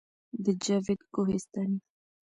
د جاوید کوهستاني